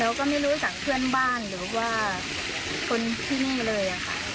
ก็ไม่รู้จักเพื่อนบ้านหรือว่าคนที่นี่เลยค่ะ